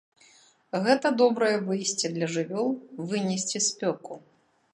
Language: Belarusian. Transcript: Гэта добрае выйсце для жывёл вынесці спёку.